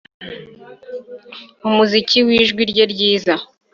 Umuziki wijwi rye ryiza